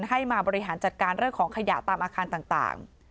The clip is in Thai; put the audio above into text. ให้มาบริหารจัดการเรื่องของขยะตามอาคารต่าง